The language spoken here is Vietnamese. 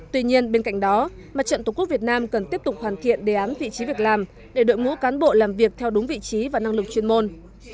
tuy nhiên bên cạnh đó mặt trận tổ quốc việt nam cần tiếp tục hoàn thiện đề án vị trí việc làm để đội ngũ cán bộ làm việc theo đúng vị trí và năng lực chuyên môn